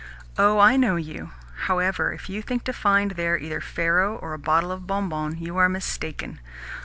Oh, I know you. However, if you think to find there either faro or a bottle of 'Bonbon' you are mistaken.